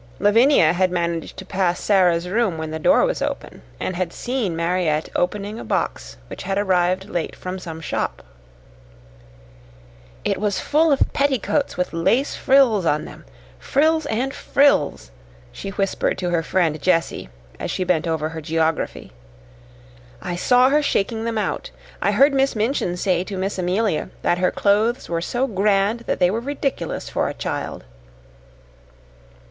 Lavinia had managed to pass Sara's room when the door was open, and had seen Mariette opening a box which had arrived late from some shop. "It was full of petticoats with lace frills on them frills and frills," she whispered to her friend Jessie as she bent over her geography. "I saw her shaking them out. I heard Miss Minchin say to Miss Amelia that her clothes were so grand that they were ridiculous for a child.